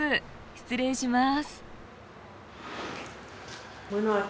失礼します。